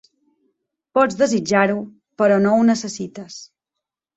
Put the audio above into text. Pots desitjar-ho, però no ho necessites.